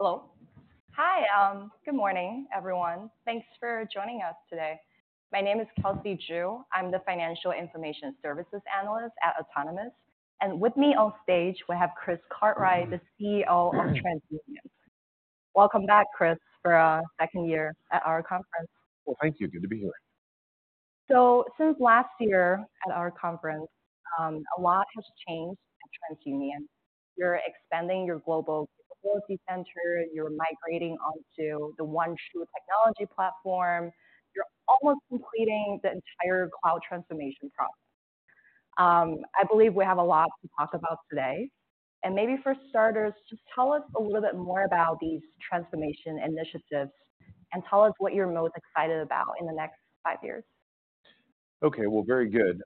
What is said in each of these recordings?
Hello. Hi, good morning, everyone. Thanks for joining us today. My name is Kelsey Zhu. I'm the Financial Information Services Analyst at Autonomous, and with me on stage, we have Chris Cartwright, the CEO of TransUnion. Welcome back, Chris, for our second year at our conference. Well, thank you. Good to be here. So since last year at our conference, a lot has changed at TransUnion. You're expanding your global capability center, you're migrating onto the OneTru technology platform. You're almost completing the entire cloud transformation process. I believe we have a lot to talk about today, and maybe for starters, just tell us a little bit more about these transformation initiatives, and tell us what you're most excited about in the next five years. Okay, well, very good.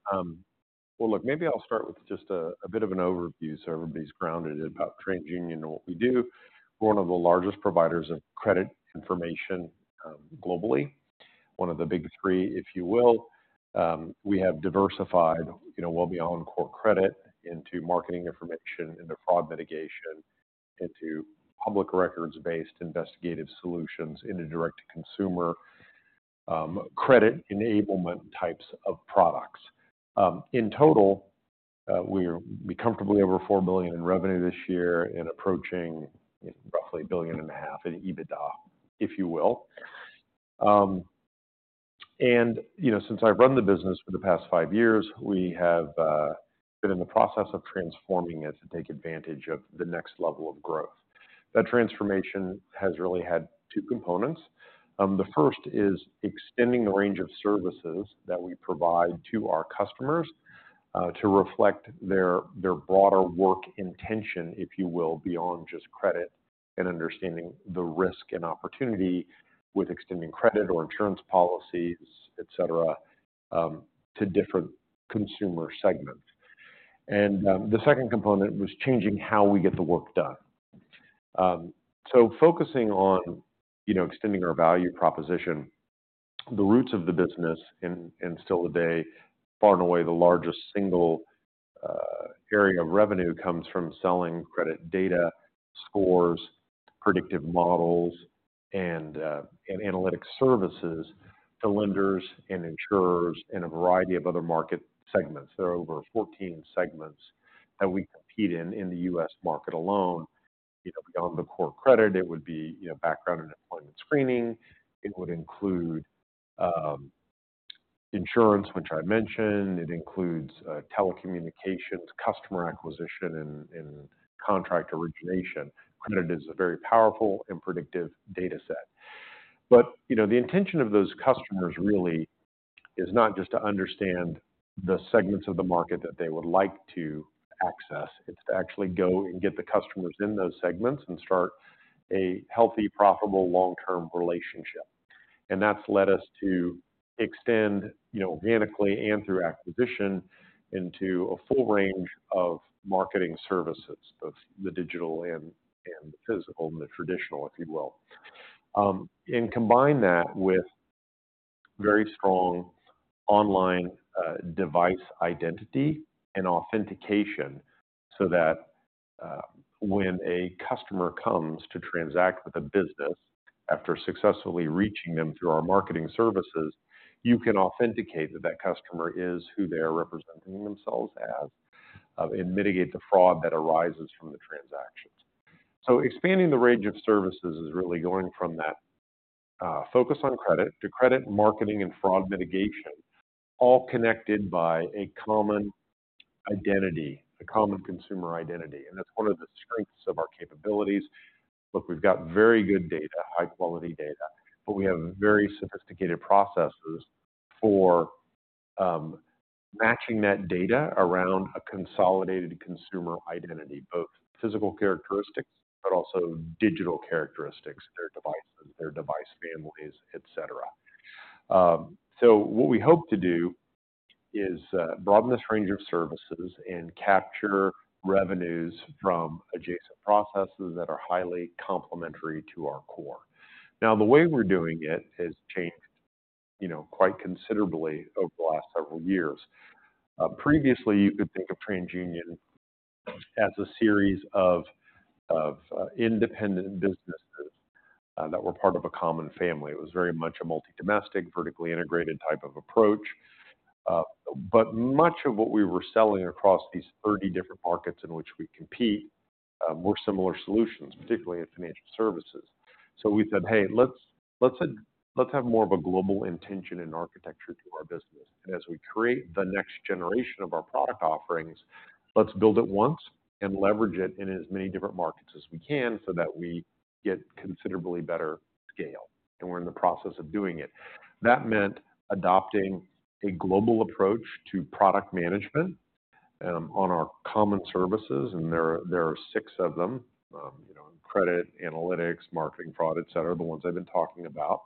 Well, look, maybe I'll start with just a bit of an overview so everybody's grounded about TransUnion and what we do. We're one of the largest providers of credit information globally. One of the big three, if you will. We have diversified, you know, well beyond core credit into marketing information, into fraud mitigation, into public records-based investigative solutions, into direct-to-consumer credit enablement types of products. In total, we're comfortably over $4 billion in revenue this year and approaching roughly $1.5 billion in EBITDA, if you will. And, you know, since I've run the business for the past five years, we have been in the process of transforming it to take advantage of the next level of growth. That transformation has really had two components. The first is extending the range of services that we provide to our customers to reflect their broader work intention, if you will, beyond just credit and understanding the risk and opportunity with extending credit or insurance policies, et cetera, to different consumer segments. And the second component was changing how we get the work done. So focusing on, you know, extending our value proposition, the roots of the business and still today, far and away, the largest single area of revenue comes from selling credit data scores, predictive models, and analytic services to lenders and insurers in a variety of other market segments. There are over 14 segments that we compete in, in the U.S. market alone. You know, beyond the core credit, it would be, you know, background and employment screening. It would include insurance, which I mentioned. It includes telecommunications, customer acquisition, and contract origination. Credit is a very powerful and predictive data set. But, you know, the intention of those customers really is not just to understand the segments of the market that they would like to access, it's to actually go and get the customers in those segments and start a healthy, profitable, long-term relationship. And that's led us to extend, you know, organically and through acquisition, into a full range of marketing services, both the digital and the physical and the traditional, if you will. And combine that with very strong online, device identity and authentication, so that, when a customer comes to transact with a business, after successfully reaching them through our marketing services, you can authenticate that that customer is who they're representing themselves as, and mitigate the fraud that arises from the transactions. So expanding the range of services is really going from that, focus on credit to credit, marketing, and fraud mitigation, all connected by a common identity, a common consumer identity, and that's one of the strengths of our capabilities. Look, we've got very good data, high-quality data, but we have very sophisticated processes for, matching that data around a consolidated consumer identity, both physical characteristics but also digital characteristics, their devices, their device families, et cetera. So what we hope to do is broaden this range of services and capture revenues from adjacent processes that are highly complementary to our core. Now, the way we're doing it has changed, you know, quite considerably over the last several years. Previously, you could think of TransUnion as a series of independent businesses that were part of a common family. It was very much a multi-domestic, vertically integrated type of approach. But much of what we were selling across these 30 different markets in which we compete were similar solutions, particularly in financial services. So we said, "Hey, let's have more of a global intention and architecture to our business. And as we create the next generation of our product offerings, let's build it once and leverage it in as many different markets as we can so that we get considerably better scale." We're in the process of doing it. That meant adopting a global approach to product management on our common services, and there are six of them. You know, credit, analytics, marketing, fraud, et cetera, the ones I've been talking about.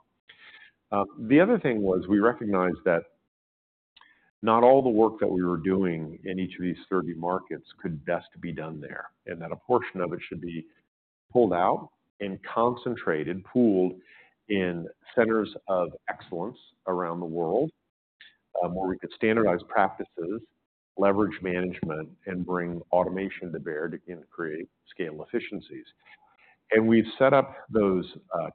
The other thing was we recognized that not all the work that we were doing in each of these 30 markets could best be done there, and that a portion of it should be pulled out and concentrated, pooled in centers of excellence around the world, where we could standardize practices, leverage management, and bring automation to bear in creating scale efficiencies. And we've set up those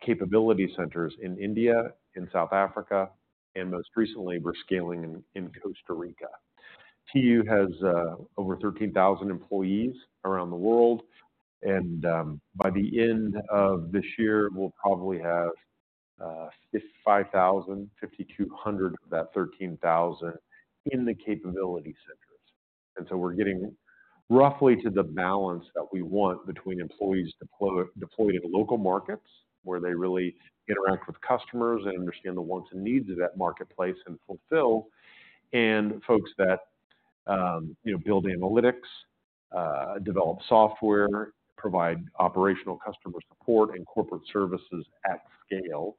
capability centers in India, in South Africa, and most recently, we're scaling in Costa Rica. TU has over 13,000 employees around the world, and by the end of this year, we'll probably have 55,000, 5,200 of that 13,000 in the capability centers. And so we're getting roughly to the balance that we want between employees deployed in local markets, where they really interact with customers and understand the wants and needs of that marketplace and fulfill, and folks that you know build analytics, develop software, provide operational customer support and corporate services at scale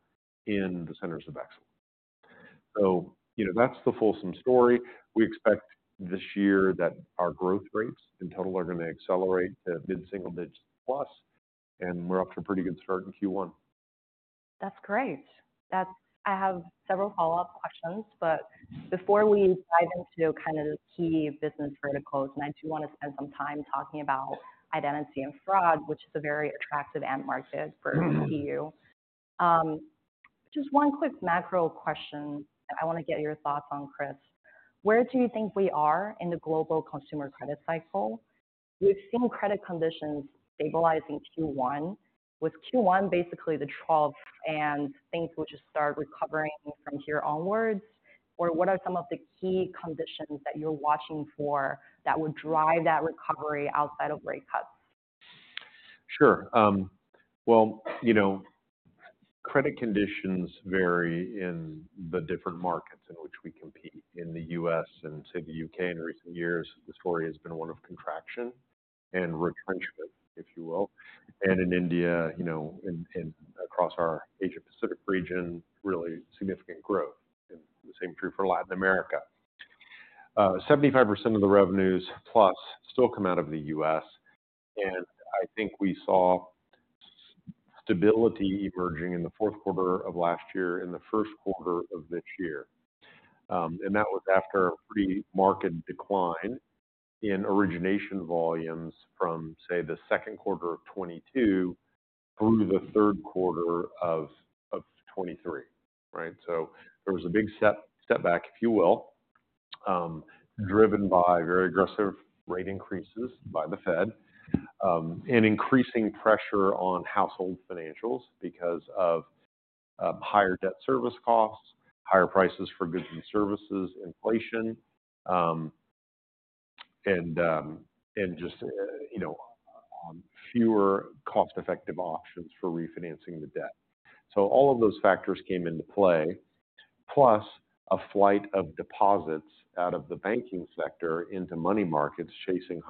in the centers of excellence. So, you know, that's the fulsome story. We expect this year that our growth rates in total are going to accelerate to mid-single digits+, and we're off to a pretty good start in Q1. That's great. I have several follow-up questions, but before we dive into kind of the key business verticals, and I do want to spend some time talking about identity and fraud, which is a very attractive end market for TU. Just one quick macro question that I want to get your thoughts on, Chris. Where do you think we are in the global consumer credit cycle? We've seen credit conditions stabilizing Q1, with Q1 basically the trough and things will just start recovering from here onwards. Or what are some of the key conditions that you're watching for that would drive that recovery outside of rate cuts? Sure. Well, you know, credit conditions vary in the different markets in which we compete. In the U.S. and, say, the U.K. in recent years, the story has been one of contraction and retrenchment, if you will. And in India, you know, across our Asia Pacific region, really significant growth, and the same is true for Latin America. Seventy-five percent of the revenues, plus, still come out of the U.S., and I think we saw stability emerging in the fourth quarter of last year, in the first quarter of this year. And that was after a pretty marked decline in origination volumes from, say, the second quarter of 2022 through the third quarter of 2023, right? So there was a big step back, if you will, driven by very aggressive rate increases by the Fed, and increasing pressure on household financials because of higher debt service costs, higher prices for goods and services, inflation, and just, you know, fewer cost-effective options for refinancing the debt. So all of those factors came into play, plus a flight of deposits out of the banking sector into money markets chasing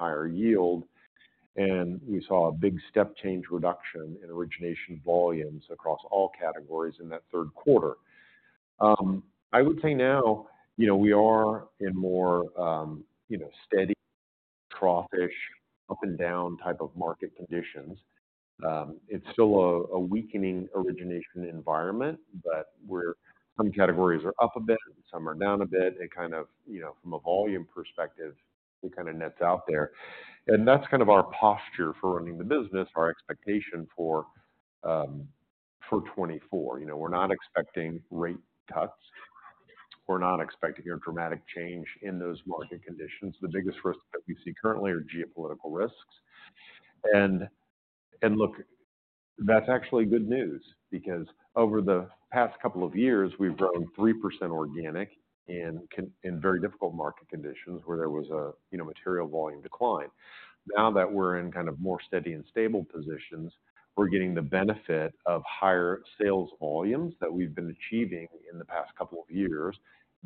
higher yield, and we saw a big step change reduction in origination volumes across all categories in that third quarter. I would say now, you know, we are in more, you know, steady, trough-ish, up and down type of market conditions. It's still a weakening origination environment, but we're - some categories are up a bit, and some are down a bit. It kind of, you know, from a volume perspective, it kind of nets out there. And that's kind of our posture for running the business, our expectation for 2024. You know, we're not expecting rate cuts. We're not expecting a dramatic change in those market conditions. The biggest risks that we see currently are geopolitical risks. And look, that's actually good news, because over the past couple of years, we've grown 3% organic in very difficult market conditions where there was a, you know, material volume decline. Now that we're in kind of more steady and stable positions, we're getting the benefit of higher sales volumes that we've been achieving in the past couple of years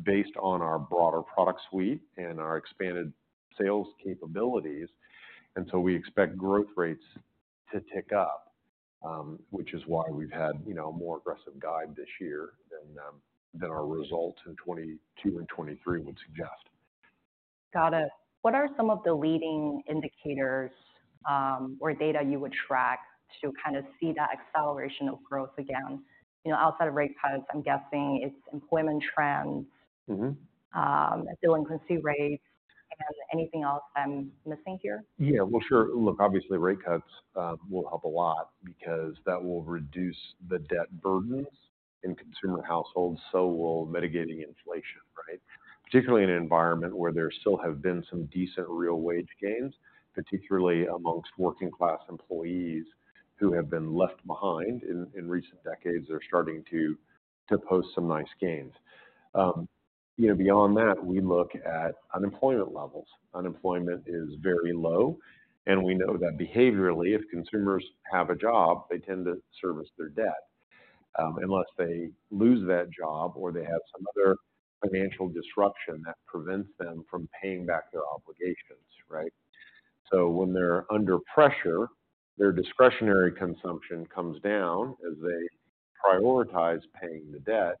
based on our broader product suite and our expanded sales capabilities. So we expect growth rates to tick up, which is why we've had, you know, a more aggressive guide this year than our results in 2022 and 2023 would suggest. Got it. What are some of the leading indicators, or data you would track to kind of see that acceleration of growth again? You know, outside of rate cuts, I'm guessing it's employment trends. Mm-hmm. Delinquency rates. Anything else I'm missing here? Yeah, well, sure. Look, obviously, rate cuts will help a lot because that will reduce the debt burdens in consumer households. So will mitigating inflation, right? Particularly in an environment where there still have been some decent real wage gains, particularly amongst working-class employees who have been left behind in recent decades are starting to post some nice gains. You know, beyond that, we look at unemployment levels. Unemployment is very low, and we know that behaviorally, if consumers have a job, they tend to service their debt, unless they lose that job or they have some other financial disruption that prevents them from paying back their obligations, right? So when they're under pressure, their discretionary consumption comes down as they prioritize paying the debt,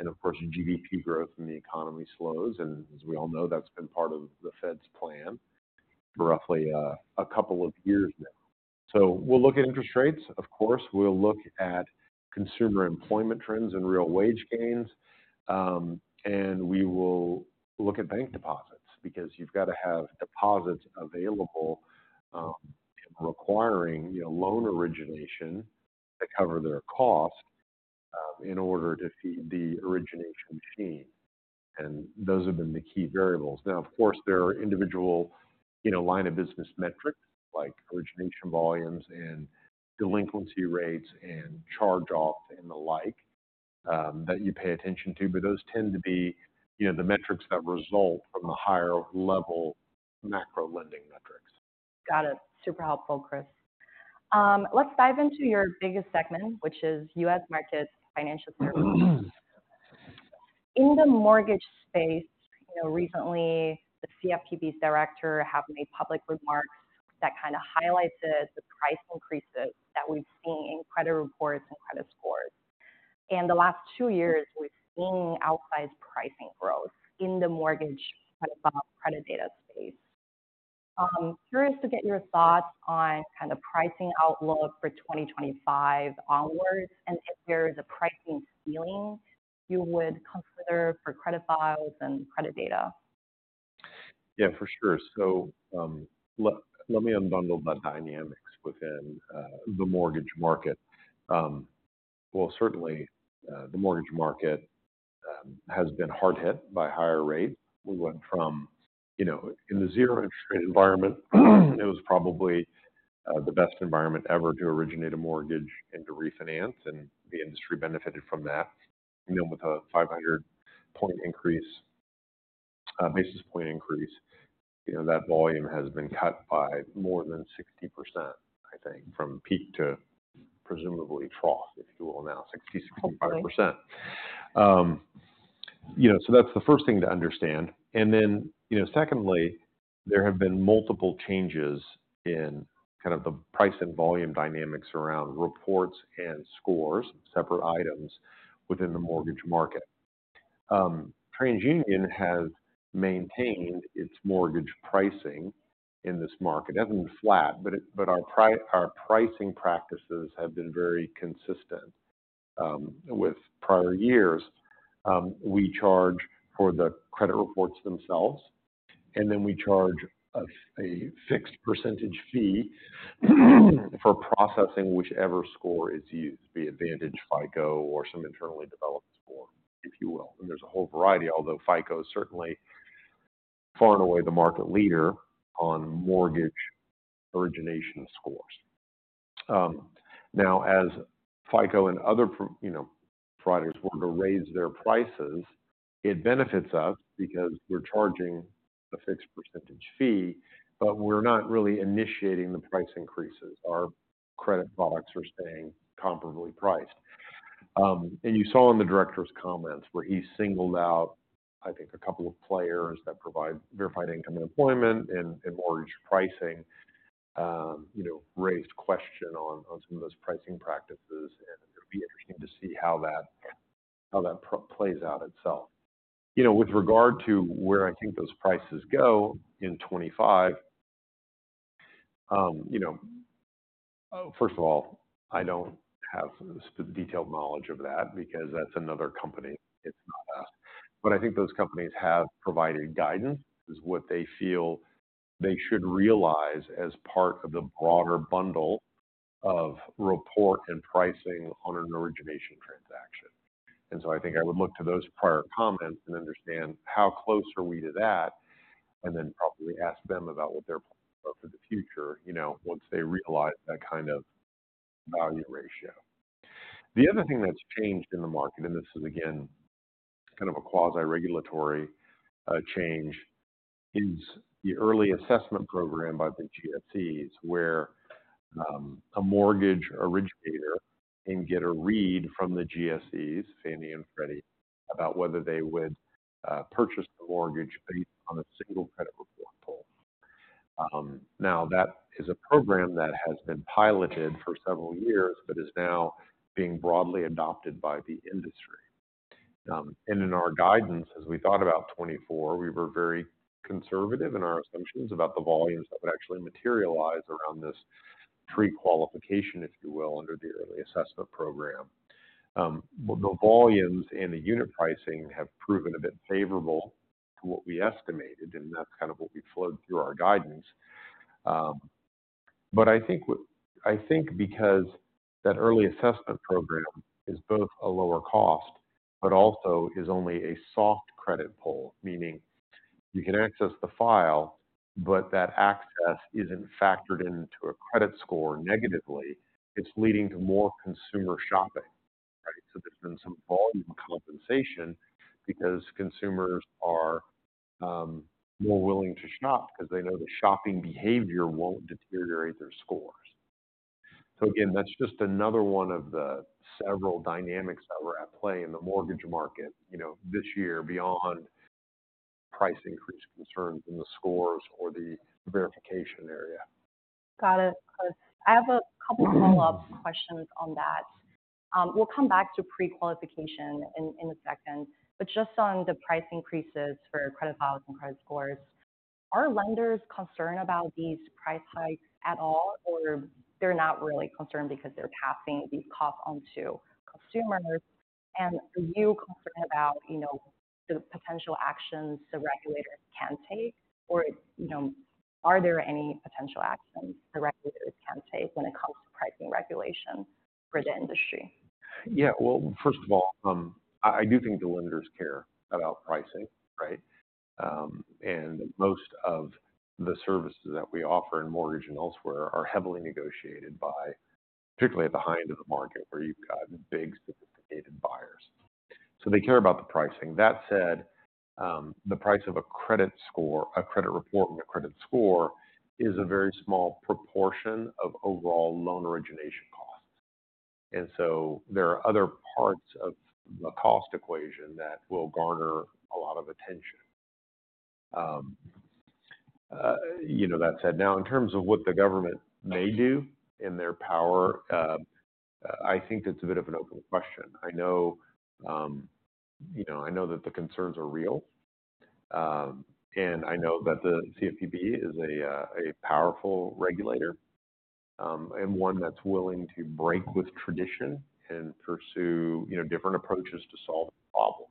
and of course, GDP growth in the economy slows, and as we all know, that's been part of the Fed's plan for roughly a couple of years now. So we'll look at interest rates, of course. We'll look at consumer employment trends and real wage gains. And we will look at bank deposits, because you've got to have deposits available requiring you know, loan origination to cover their costs in order to feed the origination machine. And those have been the key variables. Now, of course, there are individual you know, line of business metrics, like origination volumes and delinquency rates and charge-offs and the like that you pay attention to, but those tend to be you know, the metrics that result from the higher-level macro lending metrics. Got it. Super helpful, Chris. Let's dive into your biggest segment, which is U.S. markets financial services. In the mortgage space, you know, recently, the CFPB's director have made public remarks that kind of highlighted the price increases that we've seen in credit reports and credit scores. In the last two years, we've seen outsized pricing growth in the mortgage credit file, credit data space. Curious to get your thoughts on kind of pricing outlook for 2025 onwards, and if there is a pricing ceiling you would consider for credit files and credit data? Yeah, for sure. So, let me unbundle the dynamics within the mortgage market. Well, certainly, the mortgage market has been hard hit by higher rates. We went from, you know, in the zero interest rate environment, it was probably the best environment ever to originate a mortgage and to refinance, and the industry benefited from that. You know, with a 500 point increase, basis point increase, you know, that volume has been cut by more than 60%, I think, from peak to presumably trough, if you will, now 60%-65%. Hopefully. You know, so that's the first thing to understand. And then, you know, secondly, there have been multiple changes in kind of the price and volume dynamics around reports and scores, separate items, within the mortgage market. TransUnion has maintained its mortgage pricing in this market. It hasn't been flat, but our pricing practices have been very consistent, with prior years. We charge for the credit reports themselves, and then we charge a fixed percentage fee for processing whichever score is used, be it Vantage, FICO, or some internally developed score, if you will. And there's a whole variety, although FICO is certainly far and away the market leader on mortgage origination scores. Now, as FICO and other products were to raise their prices, it benefits us because we're charging a fixed percentage fee, but we're not really initiating the price increases. Our credit products are staying comparably priced. And you saw in the director's comments, where he singled out, I think, a couple of players that provide verified income and employment and mortgage pricing, you know, raised question on some of those pricing practices, and it'll be interesting to see how that plays out itself. You know, with regard to where I think those prices go in 2025, first of all, I don't have the detailed knowledge of that because that's another company. It's not us. But I think those companies have provided guidance, is what they feel they should realize as part of the broader bundle of report and pricing on an origination transaction. And so I think I would look to those prior comments and understand how close are we to that, and then probably ask them about what their plans are for the future, you know, once they realize that kind of value ratio. The other thing that's changed in the market, and this is again, kind of a quasi-regulatory change, is the early assessment program by the GSEs, where a mortgage originator can get a read from the GSEs, Fannie and Freddie, about whether they would purchase the mortgage based on a single credit report pull. Now, that is a program that has been piloted for several years but is now being broadly adopted by the industry. And in our guidance, as we thought about 2024, we were very conservative in our assumptions about the volumes that would actually materialize around this prequalification, if you will, under the Early Assessment program. The volumes and the unit pricing have proven a bit favorable to what we estimated, and that's kind of what we flowed through our guidance. But I think because that Early Assessment program is both a lower cost but also is only a soft credit pull, meaning you can access the file, but that access isn't factored into a credit score negatively, it's leading to more consumer shopping, right? So there's been some volume compensation because consumers are more willing to shop because they know the shopping behavior won't deteriorate their scores. So again, that's just another one of the several dynamics that were at play in the mortgage market, you know, this year beyond price increase concerns in the scores or the verification area. Got it. I have a couple follow-up questions on that. We'll come back to pre-qualification in a second, but just on the price increases for credit files and credit scores, are lenders concerned about these price hikes at all, or they're not really concerned because they're passing these costs on to consumers? And are you concerned about, you know, the potential actions the regulators can take? Or, you know, are there any potential actions the regulators can take when it comes to pricing regulation for the industry? Yeah. Well, first of all, I do think the lenders care about pricing, right? And most of the services that we offer in mortgage and elsewhere are heavily negotiated by, particularly at the high end of the market, where you've got big, sophisticated buyers. So they care about the pricing. That said, the price of a credit score, a credit report and a credit score is a very small proportion of overall loan origination costs. And so there are other parts of the cost equation that will garner a lot of attention. You know, that said, now, in terms of what the government may do in their power, I think that's a bit of an open question. I know, you know, I know that the concerns are real, and I know that the CFPB is a powerful regulator, and one that's willing to break with tradition and pursue, you know, different approaches to solving problems.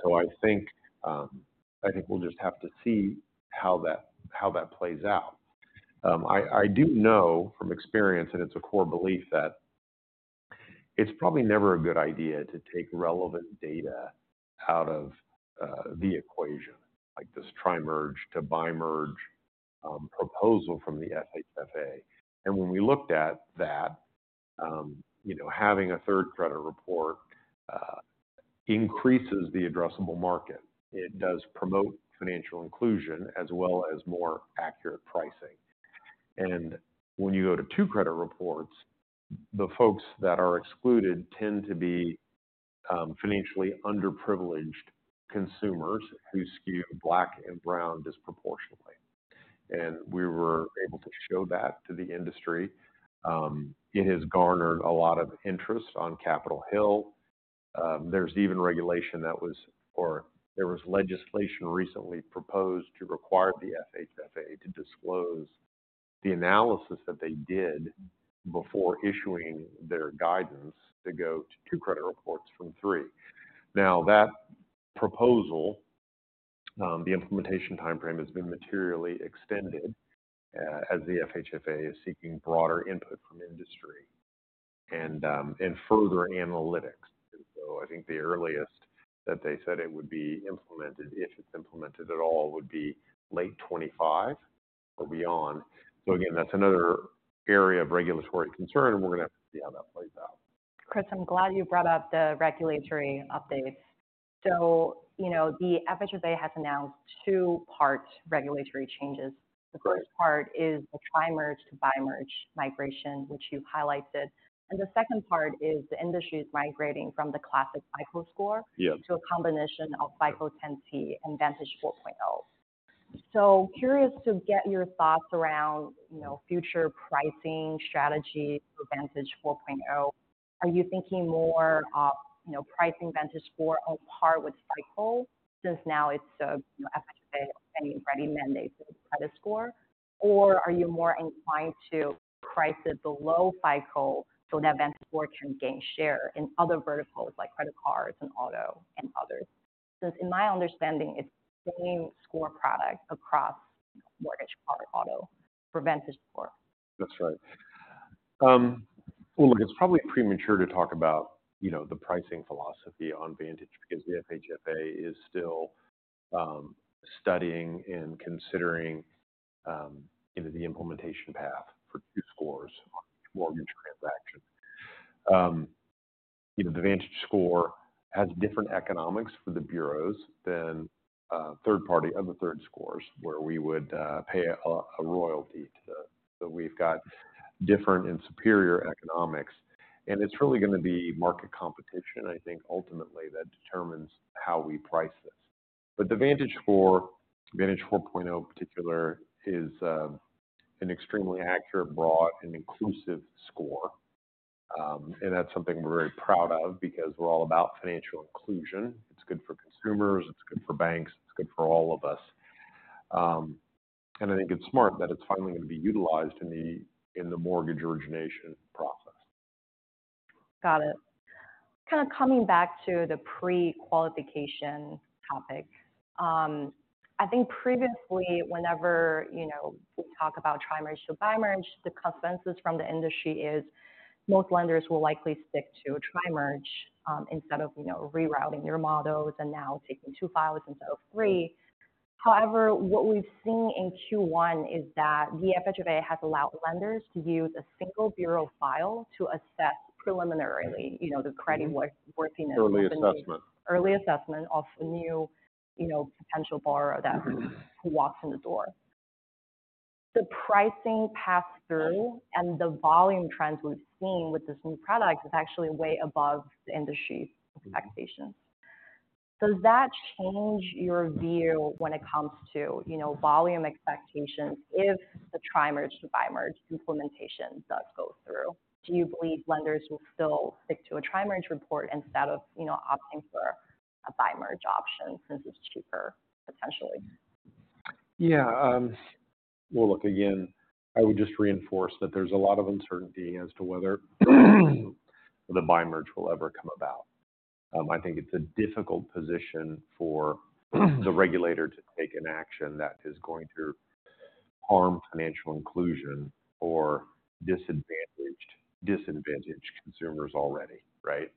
So I think we'll just have to see how that plays out. I do know from experience, and it's a core belief, that it's probably never a good idea to take relevant data out of the equation, like this tri-merge to bi-merge proposal from the FHFA. And when we looked at that, you know, having a third credit report increases the addressable market. It does promote financial inclusion as well as more accurate pricing. And when you go to two credit reports, the folks that are excluded tend to be financially underprivileged consumers who skew Black and brown disproportionately, and we were able to show that to the industry. It has garnered a lot of interest on Capitol Hill. There's even regulation that was or there was legislation recently proposed to require the FHFA to disclose the analysis that they did before issuing their guidance to go to two credit reports from three. Now, that proposal, the implementation timeframe has been materially extended, as the FHFA is seeking broader input from industry and and further analytics. So I think the earliest that they said it would be implemented, if it's implemented at all, would be late 2025 or beyond. So again, that's another area of regulatory concern, and we're going to have to see how that plays out. Chris, I'm glad you brought up the regulatory update. So, you know, the FHFA has announced two-part regulatory changes. Correct. The first part is the Tri-merge to Bi-merge migration, which you've highlighted, and the second part is the industry is migrating from the classic FICO Score- Yeah to a combination of FICO 10 T and VantageScore 4.0. So curious to get your thoughts around, you know, future pricing strategy for VantageScore 4.0. Are you thinking more of, you know, pricing VantageScore on par with FICO, since now it's a, you know, FHFA already mandated credit score? Or are you more inclined to price it below FICO so that VantageScore can gain share in other verticals like credit cards and auto and others? Since in my understanding, it's the same score product across mortgage, car, auto for VantageScore. That's right. Well, look, it's probably premature to talk about, you know, the pricing philosophy on VantageScore, because the FHFA is still studying and considering, you know, the implementation path for two scores on mortgage transactions. You know, the VantageScore has different economics for the bureaus than third party, other third scores, where we would pay a royalty to them. So we've got different and superior economics, and it's really going to be market competition, I think, ultimately, that determines how we price this. But the VantageScore, VantageScore 4.0 in particular, is an extremely accurate, broad, and inclusive score. And that's something we're very proud of because we're all about financial inclusion. It's good for consumers, it's good for banks, it's good for all of us. I think it's smart that it's finally going to be utilized in the mortgage origination process. Got it. Kind of coming back to the pre-qualification topic, I think previously, whenever, you know, we talk about Tri-merge to Bi-merge, the consensus from the industry is most lenders will likely stick to Tri-merge, instead of, you know, rerouting their models and now taking two files instead of three. However, what we've seen in Q1 is that the FHFA has allowed lenders to use a single bureau file to assess preliminarily, you know, the creditworthiness. Early assessment. Early Assessment of a new, you know, potential borrower that, who walks in the door. The pricing pass-through and the volume trends we've seen with this new product is actually way above the industry's expectations.... Does that change your view when it comes to, you know, volume expectations if the Tri-merge to Bi-merge implementation does go through? Do you believe lenders will still stick to a Tri-merge report instead of, you know, opting for a Bi-merge option since it's cheaper, potentially? Yeah, well, look, again, I would just reinforce that there's a lot of uncertainty as to whether the Bi-merge will ever come about. I think it's a difficult position for the regulator to take an action that is going to harm financial inclusion or disadvantaged consumers already, right?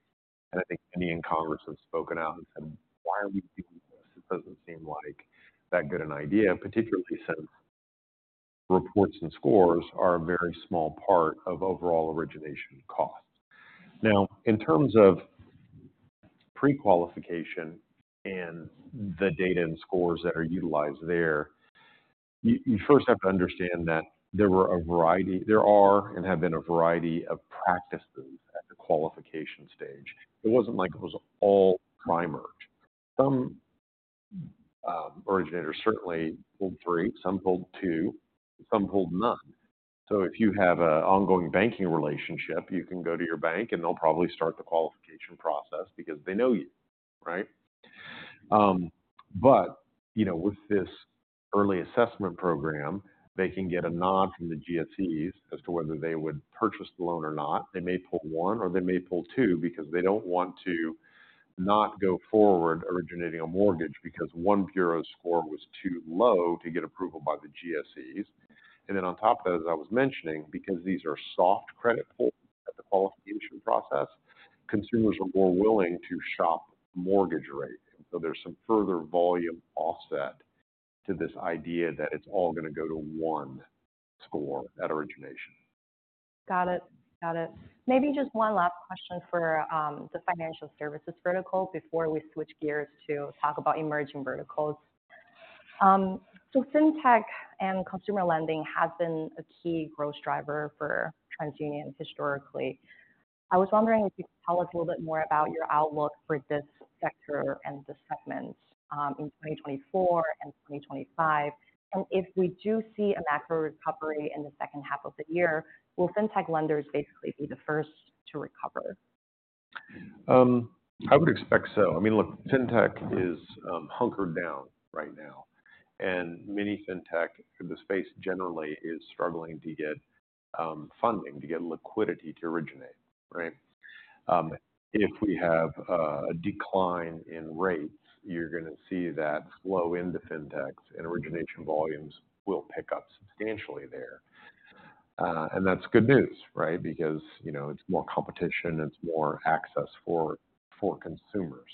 I think many in Congress have spoken out and said: "Why are we doing this? It doesn't seem like that good an idea, particularly since reports and scores are a very small part of overall origination costs." Now, in terms of pre-qualification and the data and scores that are utilized there, you first have to understand that there are and have been a variety of practices at the qualification stage. It wasn't like it was all Tri-merge. Some originators certainly pulled three, some pulled two, some pulled none. So if you have an ongoing banking relationship, you can go to your bank, and they'll probably start the qualification process because they know you, right? But, you know, with this early assessment program, they can get a nod from the GSEs as to whether they would purchase the loan or not. They may pull one, or they may pull two, because they don't want to not go forward originating a mortgage because one bureau's score was too low to get approval by the GSEs. And then on top of that, as I was mentioning, because these are soft credit pulls at the qualification process, consumers are more willing to shop mortgage rates. So there's some further volume offset to this idea that it's all going to go to one score at origination. Got it. Got it. Maybe just one last question for the financial services vertical before we switch gears to talk about emerging verticals. So Fintech and consumer lending has been a key growth driver for TransUnion historically. I was wondering if you could tell us a little bit more about your outlook for this sector and this segment in 2024 and 2025, and if we do see a macro recovery in the second half of the year, will Fintech lenders basically be the first to recover? I would expect so. I mean, look, Fintech is hunkered down right now, and mini Fintech, the space generally is struggling to get funding, to get liquidity to originate, right? If we have a decline in rates, you're going to see that flow into Fintechs and origination volumes will pick up substantially there. And that's good news, right? Because, you know, it's more competition, it's more access for consumers.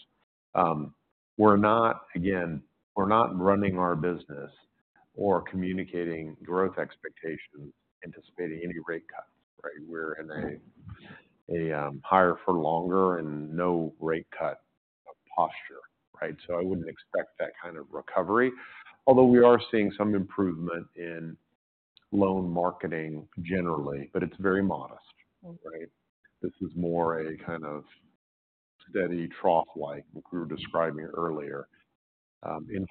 We're not, again, we're not running our business or communicating growth expectations, anticipating any rate cuts, right? We're in a higher for longer and no rate cut posture, right? So I wouldn't expect that kind of recovery. Although we are seeing some improvement in loan marketing generally, but it's very modest, right? This is more a kind of steady trough-like, like we were describing earlier, environment.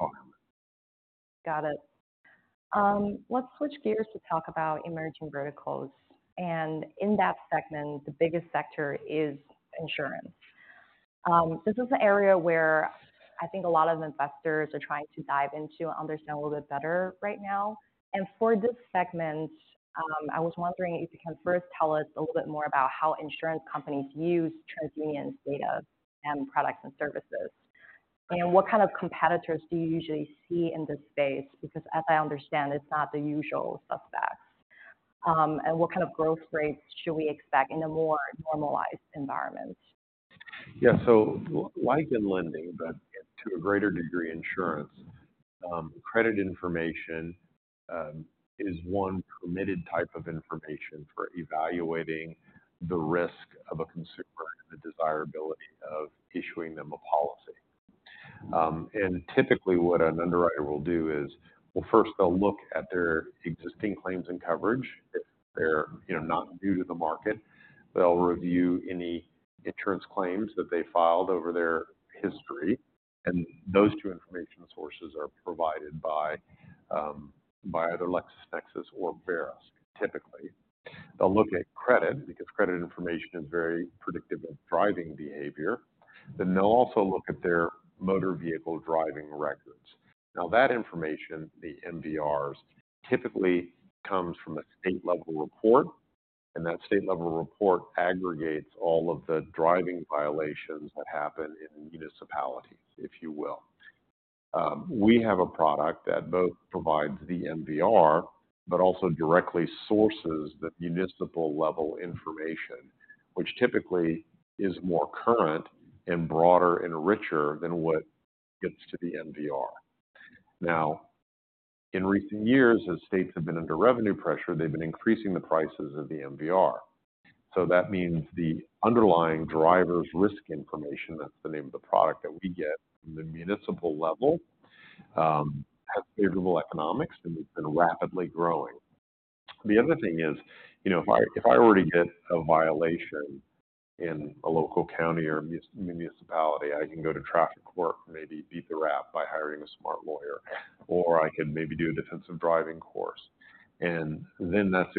Got it. Let's switch gears to talk about emerging verticals. In that segment, the biggest sector is insurance. This is an area where I think a lot of investors are trying to dive into and understand a little bit better right now. For this segment, I was wondering if you can first tell us a little bit more about how insurance companies use TransUnion's data and products and services. What kind of competitors do you usually see in this space? Because as I understand, it's not the usual suspects. What kind of growth rates should we expect in a more normalized environment? Yeah. So, like in lending, but to a greater degree, insurance, credit information is one permitted type of information for evaluating the risk of a consumer and the desirability of issuing them a policy. And typically, what an underwriter will do is, well, first they'll look at their existing claims and coverage. If they're, you know, not new to the market, they'll review any insurance claims that they filed over their history, and those two information sources are provided by, by either LexisNexis or Verisk, typically. They'll look at credit, because credit information is very predictive of driving behavior. Then they'll also look at their motor vehicle driving records. Now, that information, the MVRs, typically comes from a state-level report, and that state-level report aggregates all of the driving violations that happen in municipalities, if you will. We have a product that both provides the MVR, but also directly sources the municipal-level information, which typically is more current and broader and richer than what gets to the MVR. Now, in recent years, as states have been under revenue pressure, they've been increasing the prices of the MVR. So that means the underlying DriverRisk information, that's the name of the product that we get from the municipal level, has favorable economics, and it's been rapidly growing. The other thing is, you know, if I, if I were to get a violation in a local county or municipality, I can go to traffic court and maybe beat the rap by hiring a smart lawyer, or I can maybe do a defensive driving course, and then that's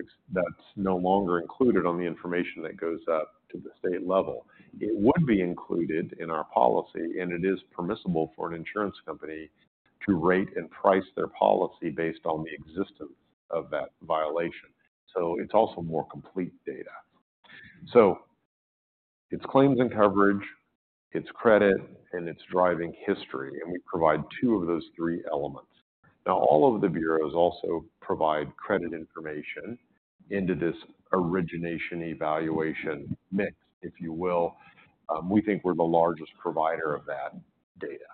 no longer included on the information that goes up to the state level. It would be included in our policy, and it is permissible for an insurance company to rate and price their policy based on the existence of that violation. So it's also more complete data. So it's claims and coverage, it's credit, and it's driving history, and we provide two of those three elements. Now, all of the bureaus also provide credit information into this origination evaluation mix, if you will. We think we're the largest provider of that data.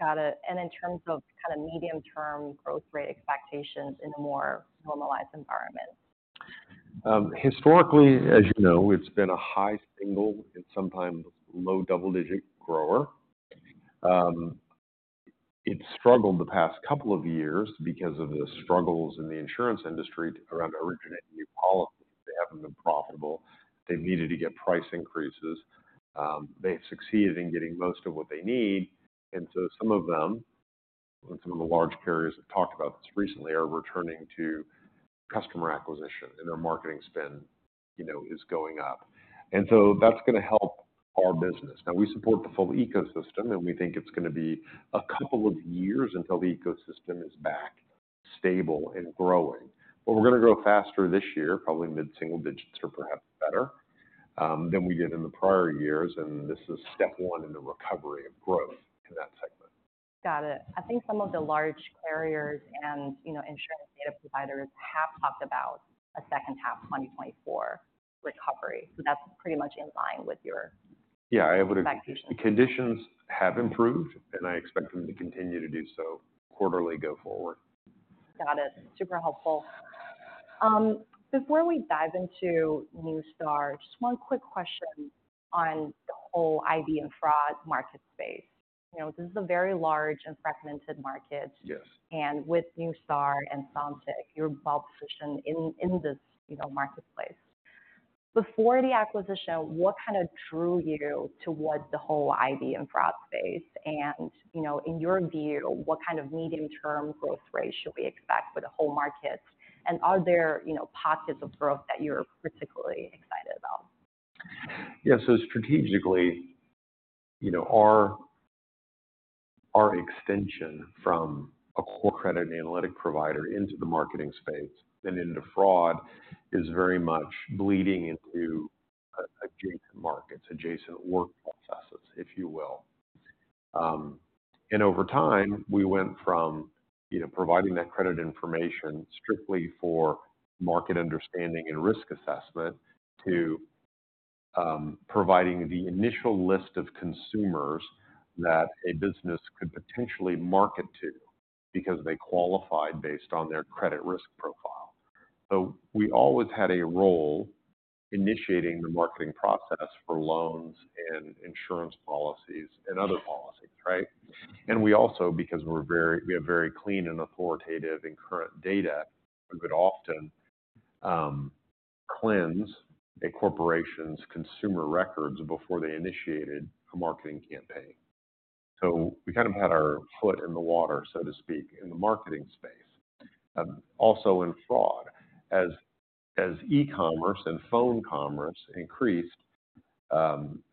Got it. In terms of kind of medium-term growth rate expectations in a more normalized environment? Historically, as you know, it's been a high single and sometimes low double-digit grower. It struggled the past couple of years because of the struggles in the insurance industry around originating new policies. They haven't been profitable. They've needed to get price increases. They've succeeded in getting most of what they need, and so some of them, and some of the large carriers have talked about this recently, are returning to customer acquisition, and their marketing spend, you know, is going up. And so that's going to help our business. Now, we support the full ecosystem, and we think it's going to be a couple of years until the ecosystem is back, stable, and growing. But we're going to grow faster this year, probably mid-single digits or perhaps better than we did in the prior years, and this is step one in the recovery of growth in that segment. Got it. I think some of the large carriers and, you know, insurance data providers have talked about a second half 2024 recovery. So that's pretty much in line with your- Yeah, I would- Expectations. The conditions have improved, and I expect them to continue to do so quarterly go forward. Got it. Super helpful. Before we dive into Neustar, just one quick question on the whole ID and fraud market space. You know, this is a very large and fragmented market- Yes. And with Neustar and Sontiq, you're well positioned in, in this, you know, marketplace. Before the acquisition, what kind of drew you towards the whole ID and fraud space? And, you know, in your view, what kind of medium-term growth rate should we expect for the whole market? And are there, you know, pockets of growth that you're particularly excited about? Yeah. So strategically, you know, our extension from a core credit analytic provider into the marketing space and into fraud is very much bleeding into adjacent markets, adjacent work processes, if you will. And over time, we went from, you know, providing that credit information strictly for market understanding and risk assessment to providing the initial list of consumers that a business could potentially market to because they qualified based on their credit risk profile. So we always had a role initiating the marketing process for loans and insurance policies and other policies, right? And we also, because we have very clean and authoritative and current data, we could often cleanse a corporation's consumer records before they initiated a marketing campaign. So we kind of had our foot in the water, so to speak, in the marketing space, also in fraud. As e-commerce and phone commerce increased,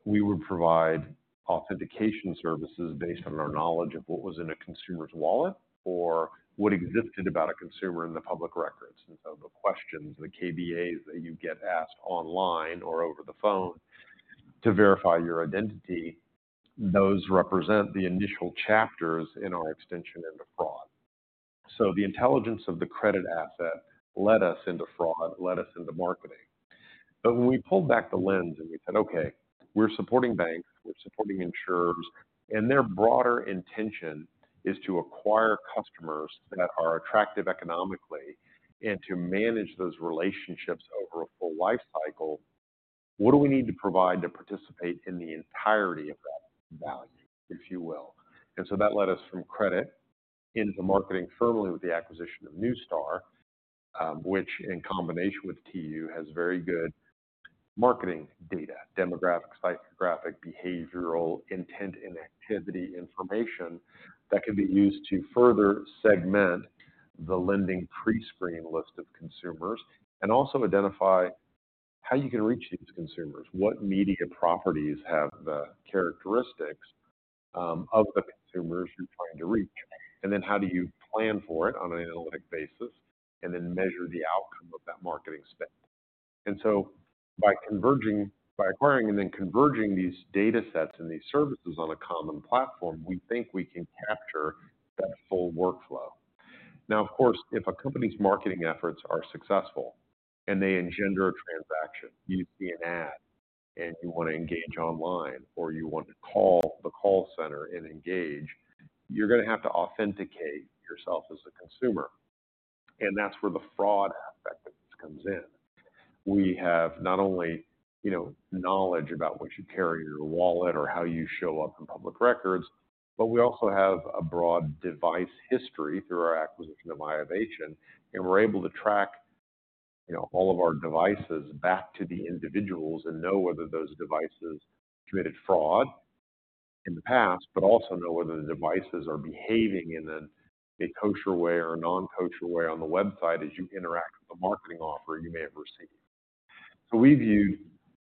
we would provide authentication services based on our knowledge of what was in a consumer's wallet or what existed about a consumer in the public records. So the questions, the KBAs that you get asked online or over the phone to verify your identity, those represent the initial chapters in our extension into fraud. So the intelligence of the credit asset led us into fraud, led us into marketing. But when we pulled back the lens and we said, "Okay, we're supporting banks, we're supporting insurers, and their broader intention is to acquire customers that are attractive economically and to manage those relationships over a full life cycle. What do we need to provide to participate in the entirety of that value," if you will? That led us from credit into marketing firmly with the acquisition of Neustar, which in combination with TU, has very good marketing data, demographic, psychographic, behavioral, intent, and activity information that can be used to further segment the lending prescreen list of consumers, and also identify how you can reach these consumers, what media properties have the characteristics of the consumers you're trying to reach, and then how do you plan for it on an analytic basis, and then measure the outcome of that marketing spend? And so by acquiring and then converging these datasets and these services on a common platform, we think we can capture that full workflow. Now, of course, if a company's marketing efforts are successful and they engender a transaction, you see an ad and you want to engage online, or you want to call the call center and engage, you're going to have to authenticate yourself as a consumer, and that's where the fraud aspect of this comes in. We have not only, you know, knowledge about what you carry in your wallet or how you show up in public records, but we also have a broad device history through our acquisition of iovation, and we're able to track, you know, all of our devices back to the individuals and know whether those devices committed fraud in the past, but also know whether the devices are behaving in a kosher way or a non-kosher way on the website as you interact with the marketing offer you may have received. So we view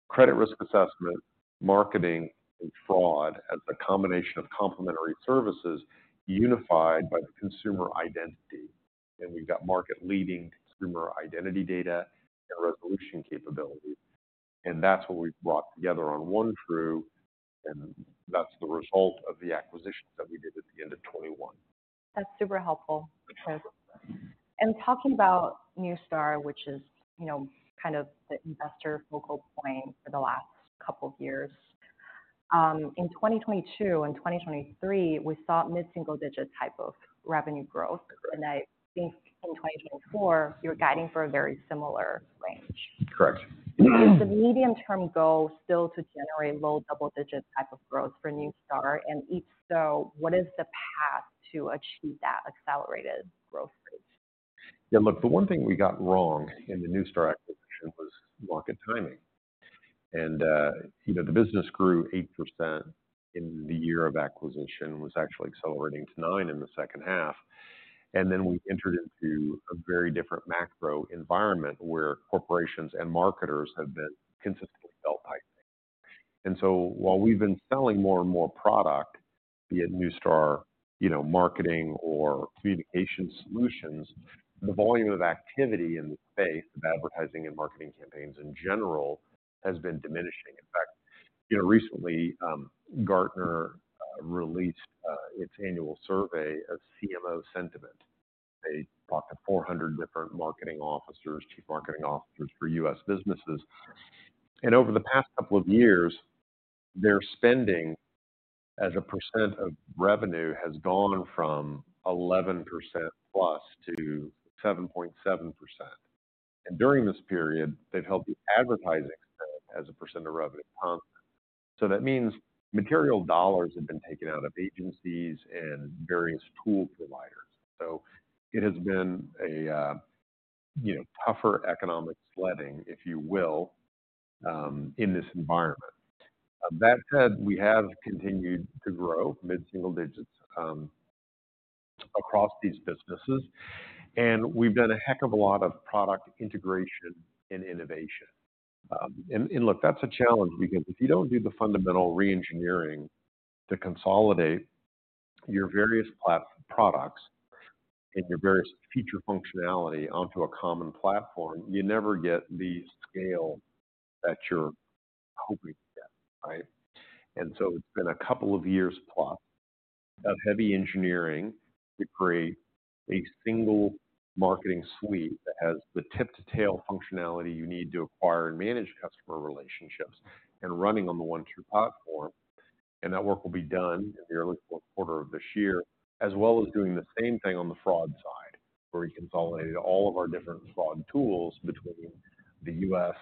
credit risk assessment, marketing, and fraud as a combination of complementary services unified by the consumer identity. And we've got market-leading consumer identity data and resolution capability, and that's what we've brought together on OneTru, and that's the result of the acquisitions that we did at the end of 2021. That's super helpful. And talking about Neustar, which is, you know, kind of the investor focal point for the last couple of years. In 2022 and 2023, we saw mid-single-digit type of revenue growth, and I think in 2024, you're guiding for a very similar range. Correct. Is the medium-term goal still to generate low double-digit type of growth for Neustar? And if so, what is the path to achieve that accelerated growth rate? Yeah, look, the one thing we got wrong in the Neustar acquisition was market timing. And, you know, the business grew 8% in the year of acquisition, was actually accelerating to 9% in the second half. And then we entered into a very different macro environment where corporations and marketers have been consistently belt-tightening. And so while we've been selling more and more product, be it Neustar, you know, marketing or communication solutions, the volume of activity in the space of advertising and marketing campaigns in general has been diminishing. In fact, you know, recently, Gartner released its annual survey of CMO sentiment. They talked to 400 different marketing officers, chief marketing officers for U.S. businesses. And over the past couple of years, their spending as a percent of revenue has gone from 11% plus to 7.7%. And during this period, they've held the advertising spend as a % of revenue constant. So that means material dollars have been taken out of agencies and various tool providers. So it has been a, you know, tougher economic sledding, if you will, in this environment. That said, we have continued to grow mid-single digits across these businesses, and we've done a heck of a lot of product integration and innovation. And look, that's a challenge because if you don't do the fundamental reengineering to consolidate your various products and your various feature functionality onto a common platform, you never get the scale that you're hoping to get, right? It's been a couple of years plus of heavy engineering to create a single marketing suite that has the tip-to-tail functionality you need to acquire and manage customer relationships, and running on the OneTru platform. That work will be done in the early fourth quarter of this year, as well as doing the same thing on the fraud side, where we consolidated all of our different fraud tools between the U.S.,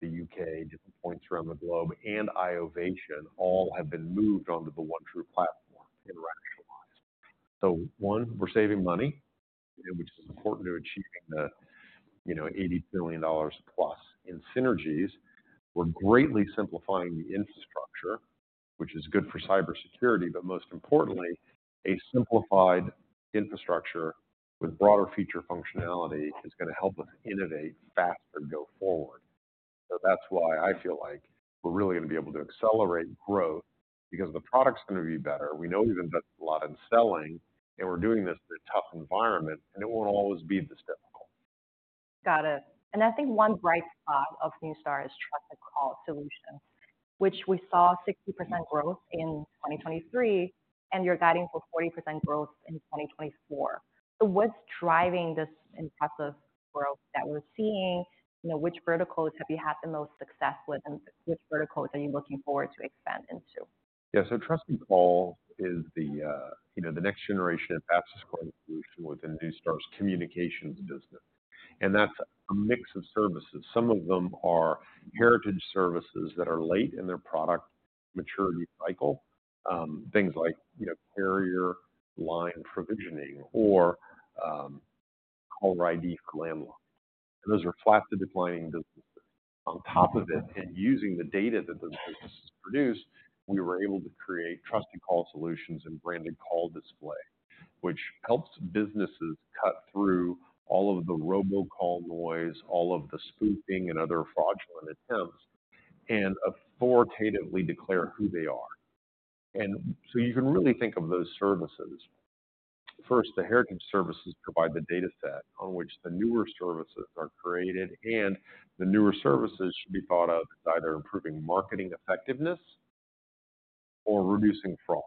the U.K., different points around the globe, and iovation all have been moved onto the OneTru platform and rationalized. One, we're saving money, which is important to achieving the, you know, $80 billion plus in synergies. We're greatly simplifying the infrastructure, which is good for cybersecurity, but most importantly, a simplified infrastructure with broader feature functionality is going to help us innovate faster go forward. That's why I feel like we're really going to be able to accelerate growth because the product's going to be better. We know we've invested a lot in selling, and we're doing this in a tough environment, and it won't always be this difficult. Got it. And I think one bright spot of Neustar is Trusted Call Solutions, which we saw 60% growth in 2023, and you're guiding for 40% growth in 2024. So what's driving this impressive growth that we're seeing? You know, which verticals have you had the most success with, and which verticals are you looking forward to expand into? Yeah, so TrustedCall is the, you know, the next generation access point solution within Neustar's communications business, and that's a mix of services. Some of them are heritage services that are late in their product maturity cycle. Things like, you know, carrier line provisioning or, Caller ID CNAM lookup. Those are flat to declining businesses. On top of it, and using the data that those businesses produce, we were able to create TrustedCall solutions and Branded Call Display, which helps businesses cut through all of the robocall noise, all of the spoofing and other fraudulent attempts, and authoritatively declare who they are. And so you can really think of those services. First, the heritage services provide the dataset on which the newer services are created, and the newer services should be thought of as either improving marketing effectiveness or reducing fraud.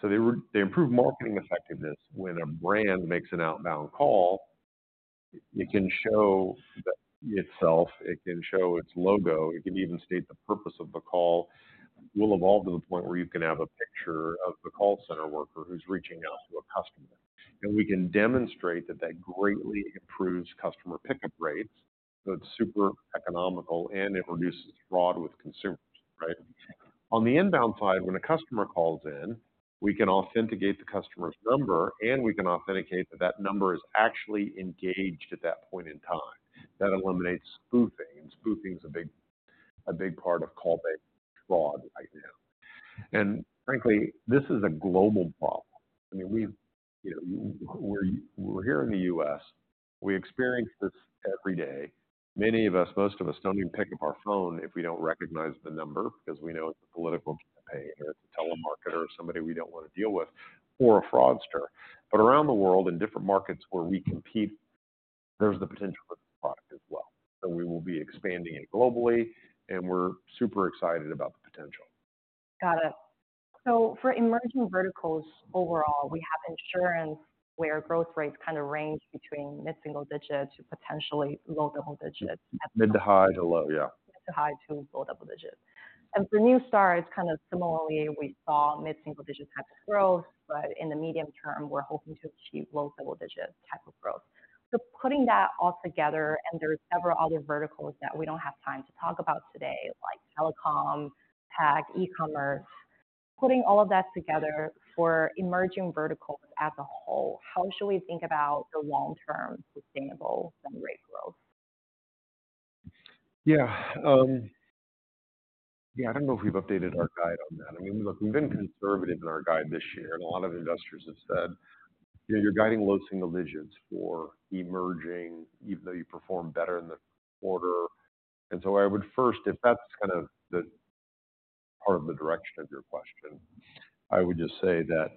So they improve marketing effectiveness. When a brand makes an outbound call, it can show itself, it can show its logo, it can even state the purpose of the call. We'll evolve to the point where you can have a picture of the call center worker who's reaching out to a customer. We can demonstrate that that greatly improves customer pickup rates. So it's super economical, and it reduces fraud with consumers, right? On the inbound side, when a customer calls in, we can authenticate the customer's number, and we can authenticate that that number is actually engaged at that point in time. That eliminates spoofing, and spoofing is a big, a big part of call bank fraud right now. Frankly, this is a global problem. I mean, we've, you know, we're here in the U.S. We experience this every day. Many of us, most of us, don't even pick up our phone if we don't recognize the number because we know it's a political campaign, or it's a telemarketer, or somebody we don't want to deal with, or a fraudster. But around the world, in different markets where we compete, there's the potential for the product as well, and we will be expanding it globally, and we're super excited about the potential. Got it. So for emerging verticals, overall, we have insurance where growth rates kind of range between mid-single digits to potentially low double digits. Mid to high to low, yeah. To high to low double digits. For new starts, kind of similarly, we saw mid-single-digit type of growth, but in the medium term, we're hoping to achieve low double-digit type of growth. Putting that all together, and there's several other verticals that we don't have time to talk about today, like telecom, tech, e-commerce. Putting all of that together for emerging verticals as a whole, how should we think about the long-term sustainable and rate growth? Yeah. Yeah, I don't know if we've updated our guide on that. I mean, look, we've been conservative in our guide this year, and a lot of investors have said: "You know, you're guiding low single digits for emerging, even though you performed better in the quarter." And so I would first. If that's kind of the part of the direction of your question, I would just say that,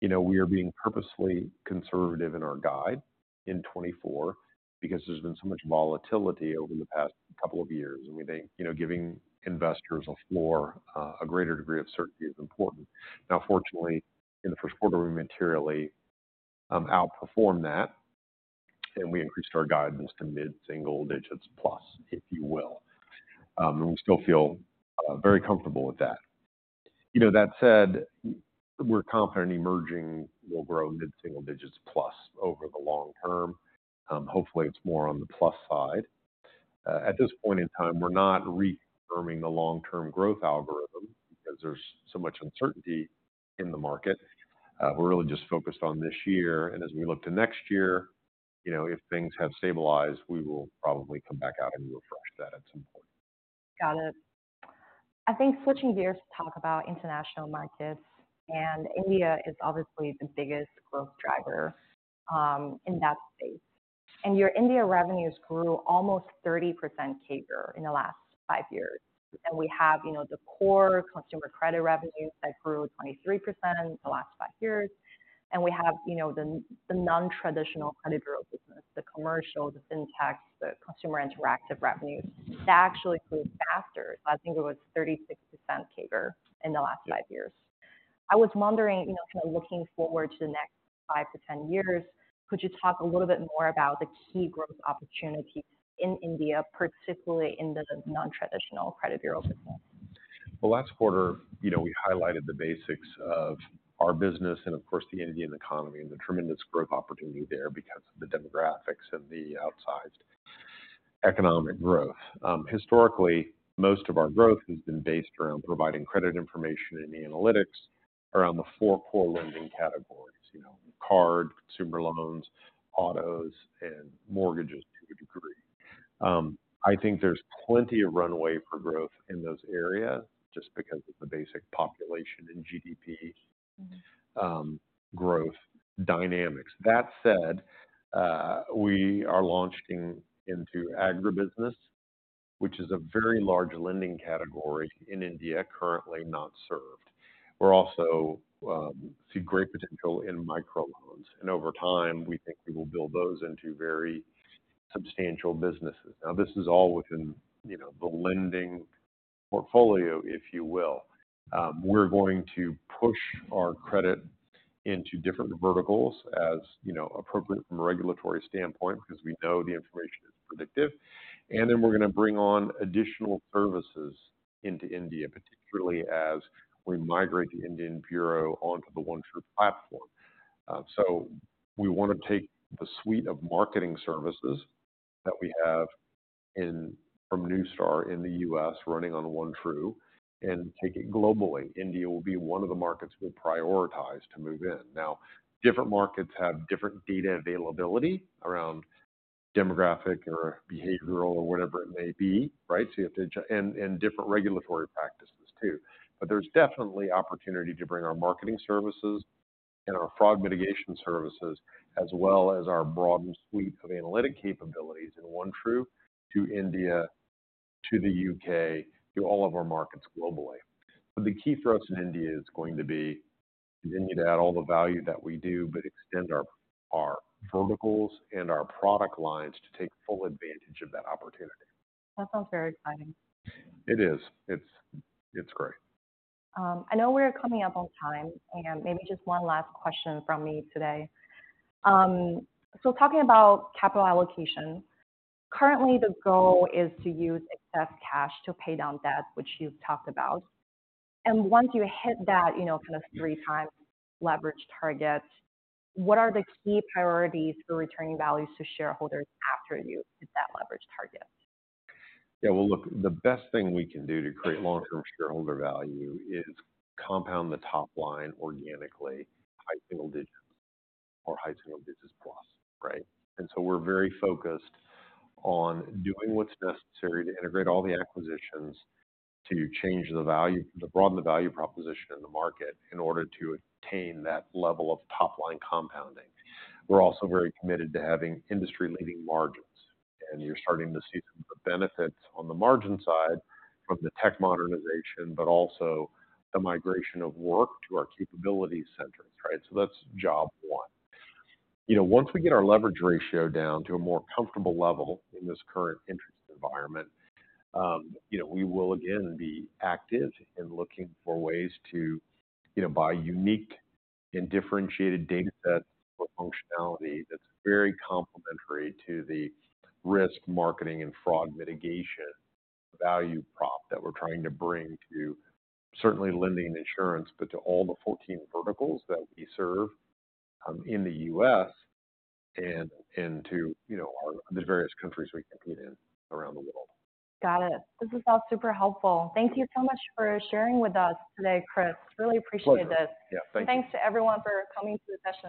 you know, we are being purposefully conservative in our guide in 2024 because there's been so much volatility over the past couple of years, and we think, you know, giving investors a floor, a greater degree of certainty is important. Now, fortunately, in the first quarter, we materially outperformed that, and we increased our guidance to mid-single digits plus, if you will. And we still feel very comfortable with that. You know, that said, we're confident emerging will grow mid-single digits plus over the long term. Hopefully, it's more on the plus side. At this point in time, we're not reconfirming the long-term growth algorithm because there's so much uncertainty in the market. We're really just focused on this year, and as we look to next year, you know, if things have stabilized, we will probably come back out and refresh that at some point. Got it. I think switching gears to talk about international markets, and India is obviously the biggest growth driver in that space. And your India revenues grew almost 30% CAGR in the last five years. And we have, you know, the core consumer credit revenues that grew 23% in the last five years. And we have, you know, the nontraditional credit bureau business, the commercial, the FinTech, the consumer interactive revenues, that actually grew faster. I think it was 36% CAGR in the last five years. I was wondering, you know, kind of looking forward to the next five to ten years, could you talk a little bit more about the key growth opportunities in India, particularly in the nontraditional credit bureau business? Well, last quarter, you know, we highlighted the basics of our business and, of course, the Indian economy and the tremendous growth opportunity there because of the demographics and the outsized economic growth. Historically, most of our growth has been based around providing credit information and analytics around the four core lending categories: you know, card, consumer loans, autos, and mortgages to a degree. I think there's plenty of runway for growth in those areas just because of the basic population and GDP- Mm-hmm. Growth dynamics. That said, we are launching into agribusiness, which is a very large lending category in India, currently not served. We're also see great potential in microloans, and over time, we think we will build those into very substantial businesses. Now, this is all within, you know, the lending portfolio, if you will. We're going to push our credit into different verticals, as, you know, appropriate from a regulatory standpoint, because we know the information is predictive. And then we're going to bring on additional services into India, particularly as we migrate the Indian Bureau onto the OneTru platform. So we want to take the suite of marketing services that we have in—from Neustar in the U.S., running on OneTru, and take it globally. India will be one of the markets we prioritize to move in. Now, different markets have different data availability around demographic or behavioral or whatever it may be, right? So you have to... and different regulatory practices too. But there's definitely opportunity to bring our marketing services and our fraud mitigation services, as well as our broadened suite of analytic capabilities in OneTru to India, to the U.K., to all of our markets globally. But the key for us in India is going to be, continue to add all the value that we do, but extend our, our verticals and our product lines to take full advantage of that opportunity. That sounds very exciting. It is. It's, it's great. I know we're coming up on time, and maybe just one last question from me today. Talking about capital allocation, currently the goal is to use excess cash to pay down debt, which you've talked about. Once you hit that, you know, kind of 3 times leverage target, what are the key priorities for returning values to shareholders after you hit that leverage target? Yeah, well, look, the best thing we can do to create long-term shareholder value is compound the top line organically, high single digits or high single digits plus, right? And so we're very focused on doing what's necessary to integrate all the acquisitions to change the value, to broaden the value proposition in the market in order to attain that level of top-line compounding. We're also very committed to having industry-leading margins, and you're starting to see some of the benefits on the margin side from the tech modernization, but also the migration of work to our capabilities centers, right? So that's job one. You know, once we get our leverage ratio down to a more comfortable level in this current interest environment, you know, we will again be active in looking for ways to, you know, buy unique and differentiated data sets or functionality that's very complementary to the risk marketing and fraud mitigation value prop that we're trying to bring to certainly lending insurance, but to all the 14 verticals that we serve, in the U.S. and, and to, you know, the various countries we compete in around the world. Got it. This was all super helpful. Thank you so much for sharing with us today, Chris. Really appreciate this. Pleasure. Yeah, thank you. Thanks to everyone for coming to the session.